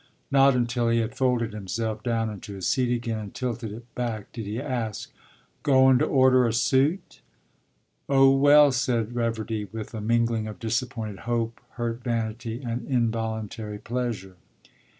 Not until he had folded himself down into his seat again and tilted it back did he ask, “Goin' to order a suit?” “Oh, well!” said Reverdy, with a mingling of disappointed hope, hurt vanity, and involuntary pleasure.